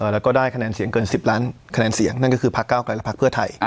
แล้วก็ได้คะแนนเสียงเกิน๑๐ล้านคะแนนเสียงนั่นก็คือพักเก้าไกลและพักเพื่อไทย